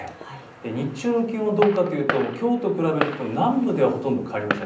日中の気温どうかというときょうと比べると南部ではほとんど変わりません。